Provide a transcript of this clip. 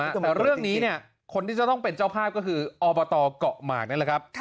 แต่เรื่องนี้เนี่ยคนที่จะต้องเป็นเจ้าภาพก็คืออบตเกาะหมากนั่นแหละครับ